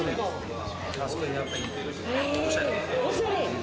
おしゃれ。